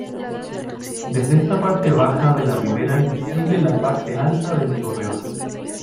Desde esta parte baja de la ribera es visible la parte alta del Torreón.